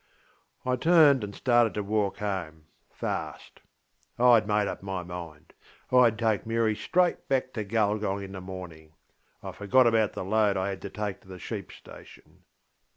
I turned and started to walk home, fast. IŌĆÖd made up my mind. IŌĆÖd take Mary straight back to Gulgong in the morningŌĆö I forgot about the load I had to take to the sheep station.